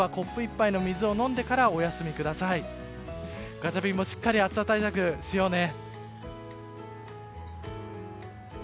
ガチャピンもしっかり暑さ対策しようね。